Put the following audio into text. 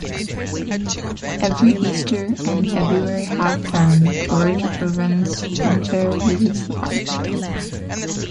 Every Easter and February half-term George Irvin's Funfair visits the park.